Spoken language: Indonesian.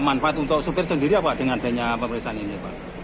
manfaat untuk sopir sendiri apa dengan adanya pemeriksaan ini pak